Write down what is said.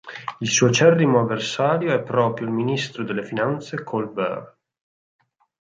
Il suo acerrimo avversario è proprio il ministro delle finanze Colbert.